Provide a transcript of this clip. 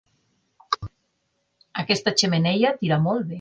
Aquesta xemeneia tira molt bé.